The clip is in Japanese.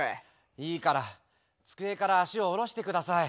いいから机から脚を下ろして下さい。